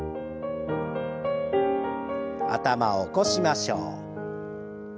頭を起こしましょう。